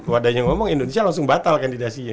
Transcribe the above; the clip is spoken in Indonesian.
wadah yang ngomong indonesia langsung batal kandidasinya